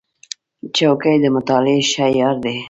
چوکۍ د مطالعې ښه یار دی.